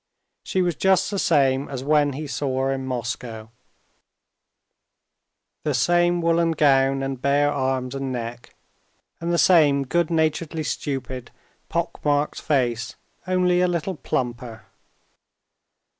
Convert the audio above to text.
She was just the same as when he saw her in Moscow; the same woolen gown, and bare arms and neck, and the same good naturedly stupid, pockmarked face, only a little plumper.